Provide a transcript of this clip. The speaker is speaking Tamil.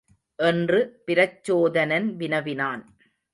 என்று பிரச்சோதனன் வினவினான்.